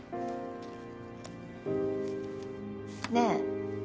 ねえ。